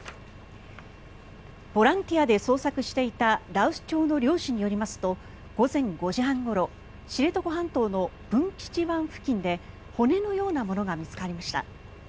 ボランティアで捜索していた羅臼町の漁師によりますと午前５時半ごろ知床半島の文吉湾付近で骨のようなものが見つかりました。